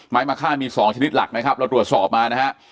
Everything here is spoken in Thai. มะค่ามี๒ชนิดหลักนะครับเราตรวจสอบมานะฮะ